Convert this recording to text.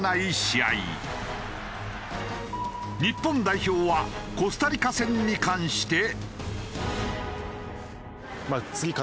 日本代表はコスタリカ戦に関して。